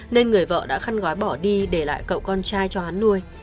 nên người vợ đã khăn gói bỏ đi để lại cậu con trai cho hắn nuôi